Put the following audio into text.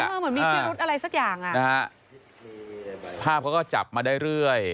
เหมือนมีพิรุธอะไรสักอย่างอ่ะนะฮะภาพเขาก็จับมาได้เรื่อย